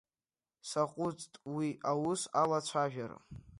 Саҟәыҵт уи аус алацәажәара.